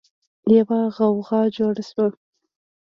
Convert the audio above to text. يوه غوغا جوړه شوه.